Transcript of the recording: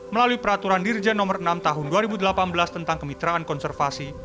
melalui peraturan dirjen nomor enam tahun dua ribu delapan belas tentang kemitraan konservasi